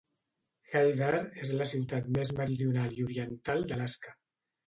Hyder és la ciutat més meridional i oriental d'Alaska.